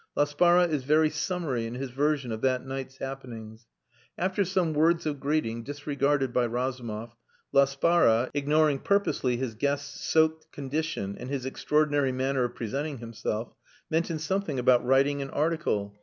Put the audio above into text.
Laspara is very summary in his version of that night's happenings. After some words of greeting, disregarded by Razumov, Laspara (ignoring purposely his guest's soaked condition and his extraordinary manner of presenting himself) mentioned something about writing an article.